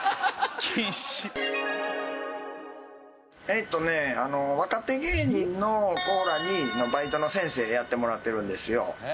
えっとね若手芸人の子らにバイトの先生やってもらってるんですよ。